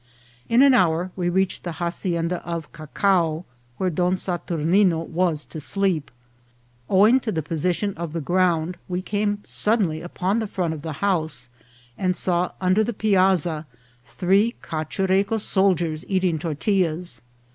In an hour we reached the hacienda del Cacao, where Don Saturnino was to sleep. Owing to the position of the ground, we came suddenly upon the front of the house, and saw under the piazza three Cachureco soldiers eating tor tillas.